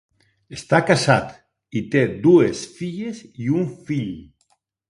Està casat i té dues filles i un fill.